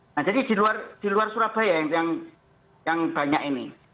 nah jadi di luar di luar surabaya yang yang banyak ini